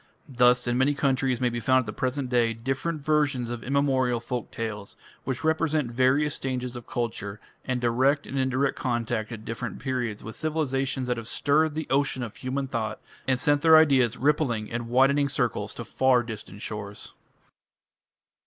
Thus in many countries may be found at the present day different versions of immemorial folk tales, which represent various stages of culture, and direct and indirect contact at different periods with civilizations that have stirred the ocean of human thought, and sent their ideas rippling in widening circles to far distant shores.